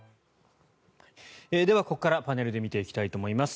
では、ここからパネルで見ていきたいと思います。